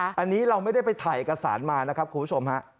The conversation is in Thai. อันนี้เราไม่ได้ไปถ่ายเอกสารมานะครับคุณผู้ชมฮะ